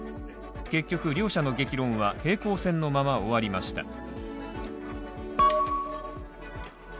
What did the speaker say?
結局、両者の激論は平行線のまま終わりました。